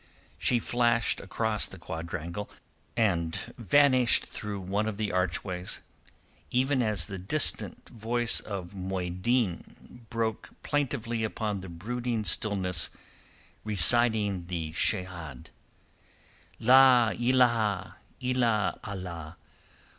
She flashed across the quadrangle and vanished through one of the archways, even as the distant voice of a Mueddin broke plaintively upon the brooding stillness reciting the Shehad— "La illaha, illa Allah!